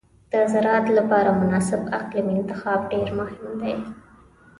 د زراعت لپاره مناسب اقلیم انتخاب ډېر مهم دی.